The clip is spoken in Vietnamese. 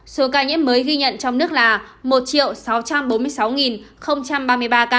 số ca nhiễm mới ghi nhận trong nước là một sáu trăm bốn mươi sáu ba mươi ba ca